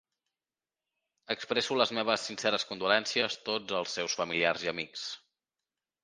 Expresso les meves sinceres condolences tots els seus familiars i amics.